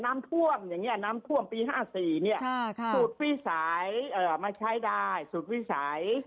น้ำท่วมอย่างนี้น้ำท่วมปี๕๔เนี่ยสูตรวิสัยมาใช้ได้สูตรวิสัย